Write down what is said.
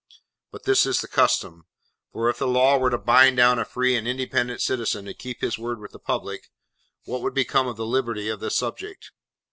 But this is the custom: for if the law were to bind down a free and independent citizen to keep his word with the public, what would become of the liberty of the subject?